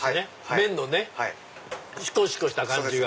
麺のシコシコした感じが。